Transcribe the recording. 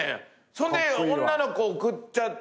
そんで女の子送っちゃって。